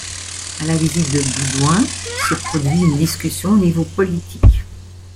La visite de Boudouin se produire une discussion au niveau politique.